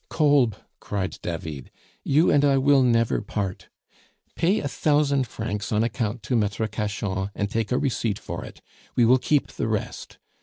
"Kolb," cried David, "you and I will never part. Pay a thousand francs on account to Maitre Cachan, and take a receipt for it; we will keep the rest.